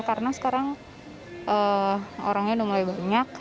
karena sekarang orangnya udah mulai banyak